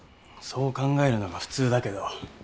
そう考えるのが普通だけど。